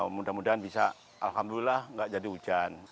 mudah mudahan bisa alhamdulillah nggak jadi hujan